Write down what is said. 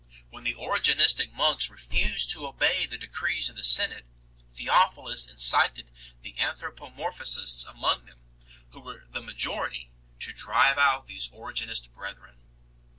When the Origenistic monks refused to obey the decrees of the synod, Theophilus incited the anthropomorphists among them, who were the majority, to drive out these Origenist brethren.